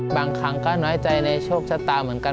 บางครั้งก็น้อยใจในโชคชะตาเหมือนกัน